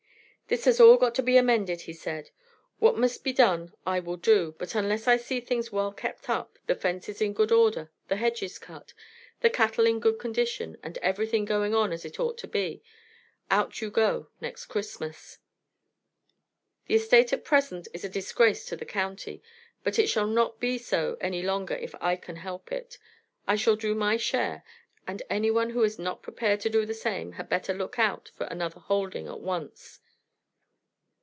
"This has all got to be amended," he said. "What must be done I will do, but unless I see things well kept up, the fences in good order, the hedges cut, the cattle in good condition, and everything going on as it ought to be, out you go next Christmas. The estate at present is a disgrace to the county, but it shall not be so any longer if I can help it. I shall do my share, and anyone who is not prepared to do the same had better look out for another holding at once."